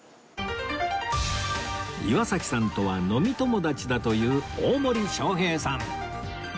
岩崎さんとは飲み友達だという大森章平さん